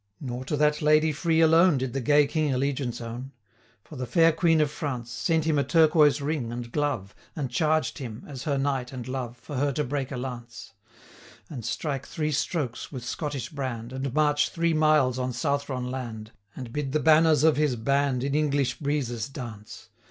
Nor to that lady free alone Did the gay King allegiance own; For the fair Queen of France Sent him a turquois ring and glove, 270 And charged him, as her knight and love, For her to break a lance; And strike three strokes with Scottish brand, And march three miles on Southron land, And bid the banners of his band 275 In English breezes dance.